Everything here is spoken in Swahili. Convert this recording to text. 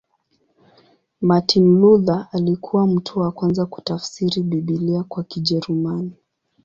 Martin Luther alikuwa mtu wa kwanza kutafsiri Biblia kwa Kijerumani.